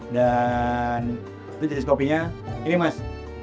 dan jenis kopinya ini mas